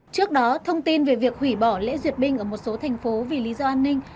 trước đó thông tin về việc hủy bỏ lễ duyệt binh ở một số thành phố vì lý do an ninh